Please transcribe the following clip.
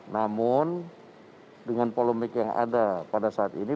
namun dengan polemik yang ada pada saat ini